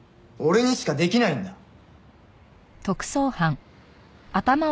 俺にしかできないんだ！